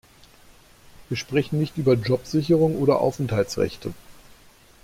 Wir sprechen nicht über Jobsicherung oder Aufenthaltsrechte.